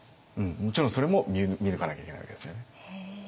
もちろんそれも見抜かなきゃいけないわけですよね。